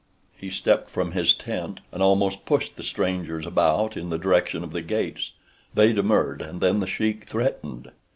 He stepped from his tent and almost pushed the strangers about in the direction of the gates. They demurred, and then The Sheik threatened.